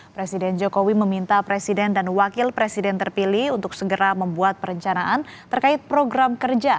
presiden jokowi meminta presiden dan wakil presiden terpilih untuk segera membuat perencanaan terkait program kerja